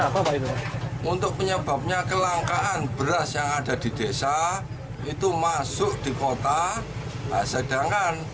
apa itu untuk penyebabnya kelangkaan beras yang ada di desa itu masuk di kota sedangkan